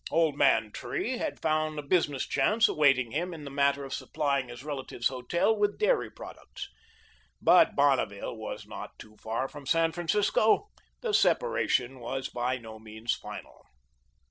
Old man Tree had found a business chance awaiting him in the matter of supplying his relative's hotel with dairy products. But Bonneville was not too far from San Francisco; the separation was by no means final.